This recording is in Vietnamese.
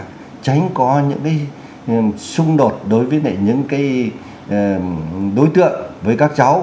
và tránh có những cái xung đột đối với những cái đối tượng với các cháu